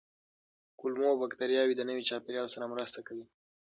کولمو بکتریاوې د نوي چاپېریال سره مرسته کوي.